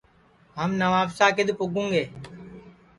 ہم نوابشاہ کِدؔ پُگوں گے